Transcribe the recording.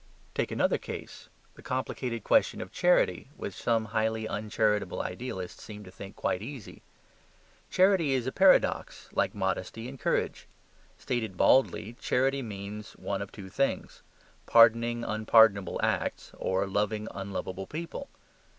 Take another case: the complicated question of charity, which some highly uncharitable idealists seem to think quite easy. Charity is a paradox, like modesty and courage. Stated baldly, charity certainly means one of two things pardoning unpardonable acts, or loving unlovable people.